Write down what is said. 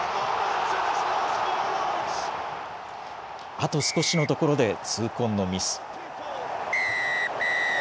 あと少しのところで痛恨のミス。